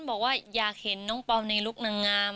บอกว่าอยากเห็นน้องเปล่าในลุคนางาม